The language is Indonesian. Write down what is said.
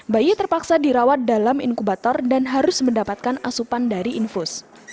bayi terpaksa dirawat dalam inkubator dan harus mendapatkan asupan dari infus